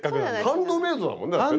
ハンドメイドだもんねだってね。